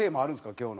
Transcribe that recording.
今日の。